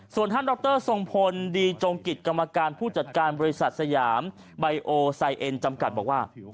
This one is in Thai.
ส่วนท่านดรทรงพลดีจงกิจกรรมการผู้จัดการบริษัทสยามไบโอไซเอ็นจำกัดบอกว่า